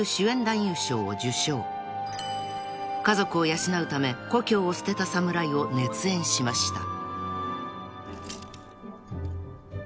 ［家族を養うため故郷を捨てた侍を熱演しました］